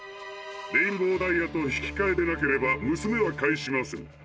レインボーダイヤとひきかえでなければむすめはかえしません。